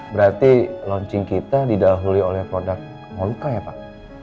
berarti launching kita didahului oleh produk moluka ya pak